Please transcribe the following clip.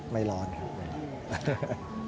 ไม่ร้อนครับ